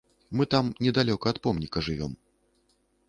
Мы там, недалёка ад помніка, жывём.